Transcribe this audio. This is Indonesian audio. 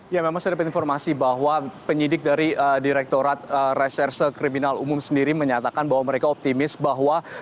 ya memang saya dapat informasi bahwa penyidik dari direktorat reserse kriminal umum sendiri menyatakan bahwa mereka optimis bahwa